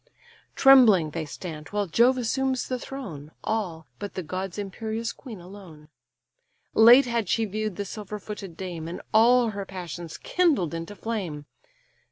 Trembling they stand, while Jove assumes the throne, All, but the god's imperious queen alone: Late had she view'd the silver footed dame, And all her passions kindled into flame.